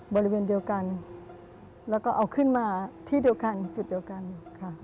บริเวณเดียวกันแล้วก็เอาขึ้นมาที่เดียวกันจุดเดียวกันค่ะ